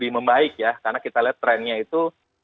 membaik ya karena kita lihat trennya itu